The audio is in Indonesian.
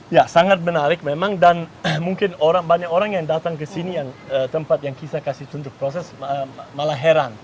ya sangat menarik memang dan mungkin banyak orang yang datang ke sini yang tempat yang kita kasih untuk proses malah heran